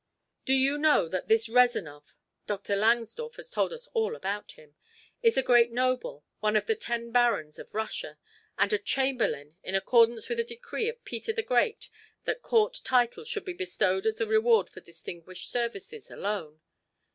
Do you know that this Rezanov Dr. Langsdorff has told us all about him is a great noble, one of the ten barons of Russia, and a Chamberlain in accordance with a decree of Peter the Great that court titles should be bestowed as a reward for distinguished services alone?